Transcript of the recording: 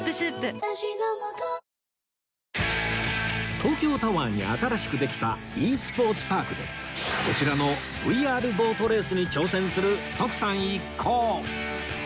東京タワーに新しくできた ｅ スポーツパークでこちらの ＶＲ ボートレースに挑戦する徳さん一行